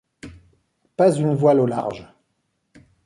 Pas une voile au large !…